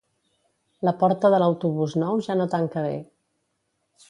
La porta de l'autobús nou ja no tanca bé